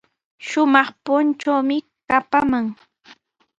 Shumaq punchuumi kapaman.